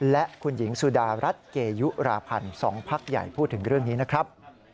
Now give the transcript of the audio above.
และคุณหญิงสุดารัฐเกยุราพันธ์๒พักใหญ่พูดถึงเรื่องนี้นะครับ